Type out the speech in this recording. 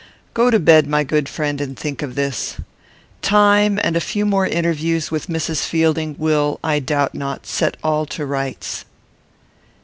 Go to bed, my good friend, and think of this. Time and a few more interviews with Mrs. Fielding will, I doubt not, set all to rights."